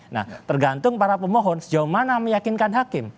nah tergantung para pemohon sejauh mana meyakinkan hakim